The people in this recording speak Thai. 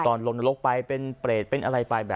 ตอนลงนรกไปเป็นเปรตเป็นอะไรไปแบบนี้